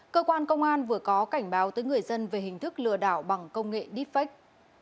cơ quan công an vừa có cảnh báo tới người dân về hình thức lừa đảo bằng công nghệ deepfake